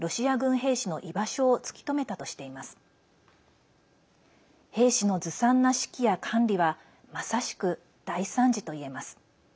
兵士のずさんな指揮や管理はまさしく大惨事といえます。